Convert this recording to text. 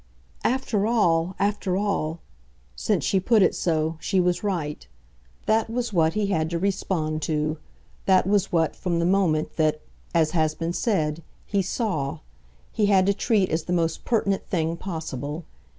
"After all, after all," since she put it so, she was right. That was what he had to respond to; that was what, from the moment that, as has been said, he "saw," he had to treat as the most pertinent thing possible.